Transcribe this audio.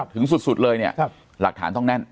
ถึงสุดเลยเนี่ยหลักฐานต้องแน่น